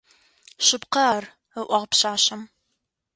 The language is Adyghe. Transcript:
Шъыпкъэ ар,— ыӏуагъ пшъашъэм.